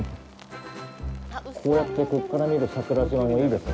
こうやって、ここから見る桜島もいいですね。